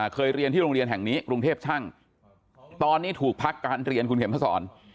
เคยเรียนที่โรงเรียนแห่งนี้กรุงเทพช่างตอนนี้ถูกพักการเรียนคุณเข็มมาสอน